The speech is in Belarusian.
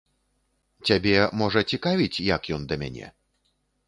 Цябе, можа, цікавіць, як ён да мяне?